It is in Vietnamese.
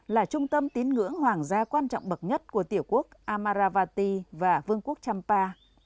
là trung tâm tín ngưỡng hoàng gia quan trọng bậc nhất của tiểu quốc amaravati và vương quốc champa